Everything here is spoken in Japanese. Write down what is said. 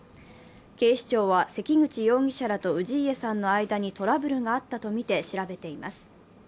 警視庁は関口容疑者らと氏家さんの間にトラブルがあったとみて調べています。